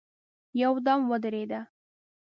يودم ودرېده.